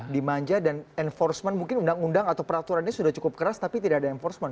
dimanja dan enforcement mungkin undang undang atau peraturannya sudah cukup keras tapi tidak ada enforcement